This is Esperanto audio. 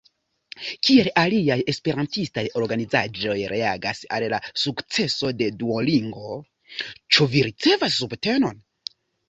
Kiel aliaj esperantistaj organizaĵoj reagas al la sukceso de Duolingo, ĉu vi ricevas subtenon?